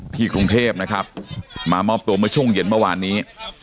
กรุงเทพนะครับมามอบตัวเมื่อช่วงเย็นเมื่อวานนี้